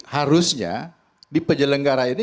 harusnya di penyelenggara ini